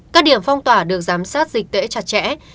các điểm phong tỏa được giám sát dịch tễ chặt chẽ